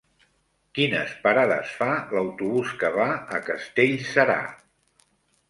Quines parades fa l'autobús que va a Castellserà?